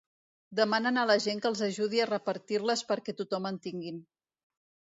Demanen a la gent que els ajudi a repartir-les perquè tothom en tinguin.